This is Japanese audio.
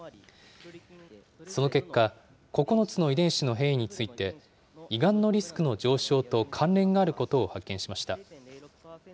その結果、９つの遺伝子の変異について、胃がんのリスクの上昇と関連があることを発見しました。